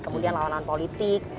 kemudian lawan lawan politik